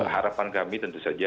harapan kami tentu saja